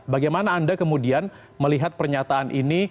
bagaimana anda kemudian melihat pernyataan ini